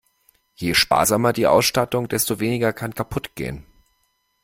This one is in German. Je sparsamer die Ausstattung, desto weniger kann kaputt gehen.